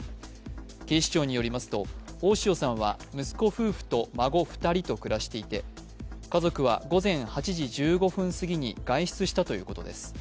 警視庁によりますと、大塩さんは息子夫婦と孫２人と暮らしていて家族は午前８時１５分すぎに外出したということです。